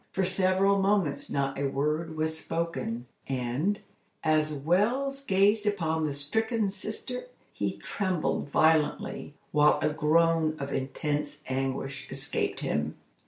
For several moments not a word was spoken, and, as Wells gazed upon the stricken sister, he trembled violently, while a groan of intense anguish escaped him.